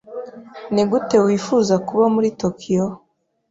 Nigute wifuza kuba muri Tokiyo?